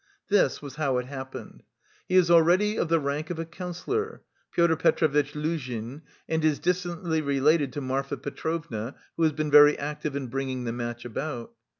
This was how it happened. He is already of the rank of a counsellor, Pyotr Petrovitch Luzhin, and is distantly related to Marfa Petrovna, who has been very active in bringing the match about.